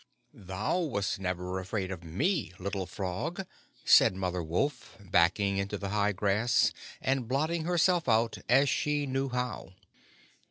"Thou wast never afraid of me, Little Frog," said Mother Wolf, backing into the high grass, and blotting herself out, as she knew how.